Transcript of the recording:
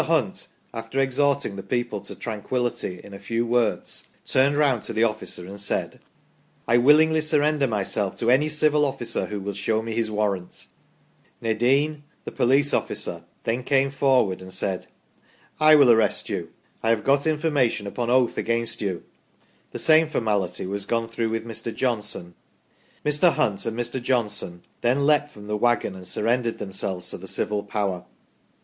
Hunt, after exhorting the people to tranquillity in a few words, turned round to the officer and said :* I willingly surrender myself to any civil officer who will show me his warrant '. Nadin, the police officer, then came forward and said :*! will arrest you : I have got information upon oath against you '. The same formality was gone through with Mr. Johnson. Mr. Hunt and Mr. Johnson then leaped from the waggon and surrendered themselves to the civil power."